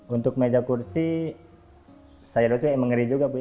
untuk meja kursi saya rasa mengeri juga